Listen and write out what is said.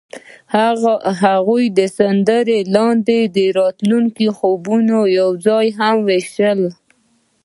هغوی د سمندر لاندې د راتلونکي خوبونه یوځای هم وویشل.